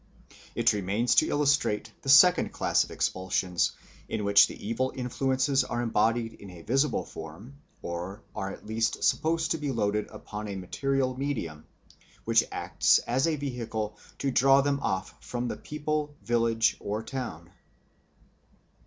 It remains to illustrate the second class of expulsions, in which the evil influences are embodied in a visible form or are at least supposed to be loaded upon a material medium, which acts as a vehicle to draw them off from the people, village, or town.